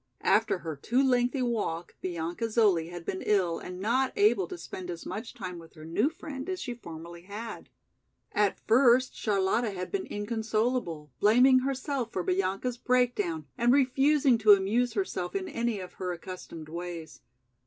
After her too lengthy walk, Bianca Zoli had been ill and not able to spend as much time with her new friend as she formerly had. At first Charlotta had been inconsolable, blaming herself for Bianca's breakdown and refusing to amuse herself in any of her accustomed ways.